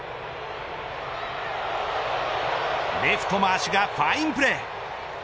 レフト、マーシュがファインプレー。